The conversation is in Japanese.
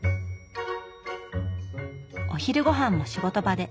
お昼ごはんも仕事場で。